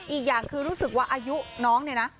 อีกอย่างคือรู้สึกว่าอายุน้องเนี่ยนะ